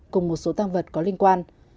cùng một số tăng vật có liên quan